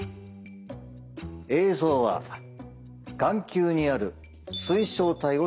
映像は眼球にある水晶体を通ります。